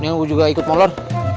ini gue juga ikut mau lor